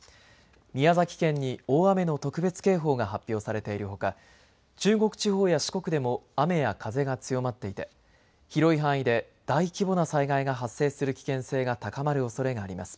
宮崎県に大雨の特別警報が発表されているほか中国地方や四国でも雨や風が強まっていて広い範囲で大規模な災害が発生する危険性が高まるおそれがあります。